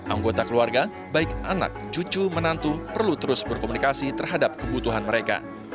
anggota keluarga baik anak cucu menantu perlu terus berkomunikasi terhadap kebutuhan mereka